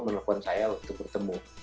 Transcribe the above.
menelpon saya waktu itu bertemu